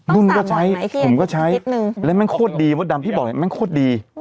นุ่นก็ใช้ผมก็ใช้แล้วแม่งโคตรดีเพราะว่าดำที่บอกแหละแม่งโคตรดี